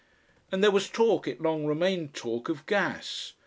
And there was talk, it long remained talk, of gas.